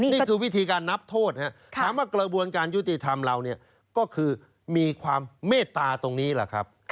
นี่คือวิธีการนับโทษถามว่ากระบวนการยุติธรรมเราเนี่ยก็คือมีความเมตตาตรงนี้แหละครับ